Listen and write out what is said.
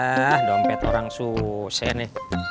ah dompet orang susah ini